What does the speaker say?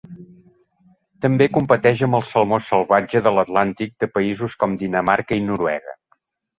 També competeix amb el salmó salvatge de l'Atlàntic de països com Dinamarca i Noruega.